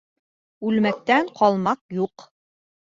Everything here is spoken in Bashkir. Үлмәктән ҡалмаҡ юҡ.